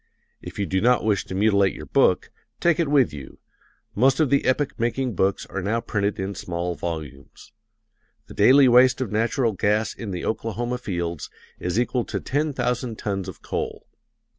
If you do not wish to mutilate your book, take it with you most of the epoch making books are now printed in small volumes. The daily waste of natural gas in the Oklahoma fields is equal to ten thousand tons of coal.